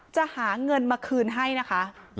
จะหาเงินมาคืนให้นะคะ